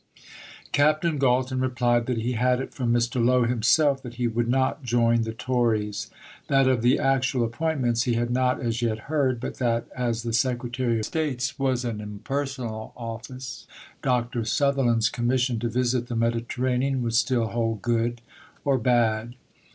Captain Galton replied that he had it from Mr. Lowe himself that he would not join the Tories; that of the actual appointments he had not as yet heard; but that as the Secretary of State's was an impersonal office, Dr. Sutherland's commission to visit the Mediterranean would still hold good or bad.